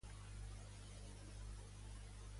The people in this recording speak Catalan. Com va passar l'estona el familiar d'En Pepaito?